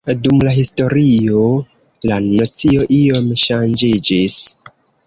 Dum la historio la nocio iom ŝanĝiĝis.